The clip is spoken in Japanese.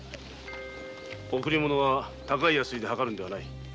贈り物は高い安いで計るものではない。